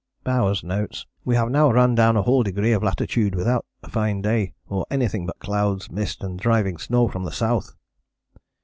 " Bowers notes: "We have now run down a whole degree of latitude without a fine day, or anything but clouds, mist, and driving snow from the south."